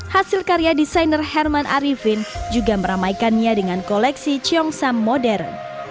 hasil karya desainer herman arifin juga meramaikannya dengan koleksi cyongsam modern